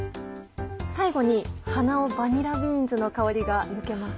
最後に鼻をバニラビーンズの香りが抜けます。